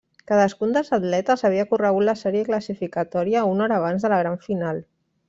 Cadascun dels atletes havia corregut la sèrie classificatòria una hora abans de la gran final.